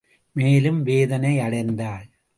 மேலும் வேதனை அடைந்தாள்.